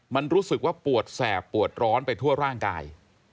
มันรู้สึกว่าปวดแสบปวดร้อนไปทั่วร่างกาย